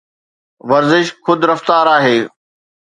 ورزش خود رفتار آهي